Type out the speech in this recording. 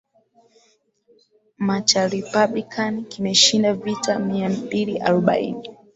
ma cha republican kimeshinda viti mia mbili arobaini